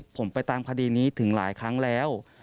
ผมไปตามคดีนี้ถึงหลายครั้งแล้ว